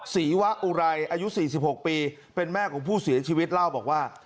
ศรีวะอุไรอายุ๔๖ปีเป็นแม่ของผู้เสียชีวิตเล่าบอกว่า